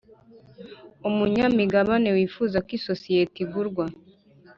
umunyamigabane wifuza ko isosiyete igurwa